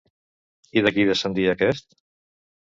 I de qui descendia aquest?